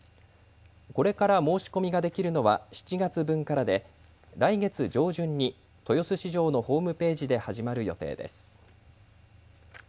これから申し込みができるのは７月分からで来月上旬に豊洲市場のホームページで始まる予定です。